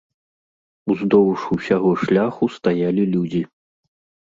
Уздоўж усяго шляху стаялі людзі.